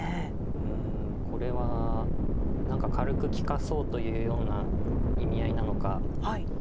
うんこれは何か軽く利かそうというような意味合いなのか。